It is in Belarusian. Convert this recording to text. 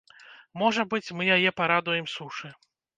Можа быць, мы яе парадуем сушы.